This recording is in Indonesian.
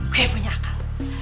gue punya akal